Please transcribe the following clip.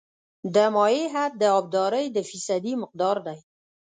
د مایع حد د ابدارۍ د فیصدي مقدار دی